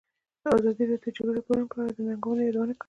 ازادي راډیو د د جګړې راپورونه په اړه د ننګونو یادونه کړې.